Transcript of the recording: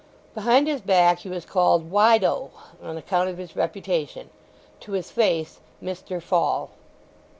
Behind his back he was called "Wide oh," on account of his reputation; to his face "Mr." Fall.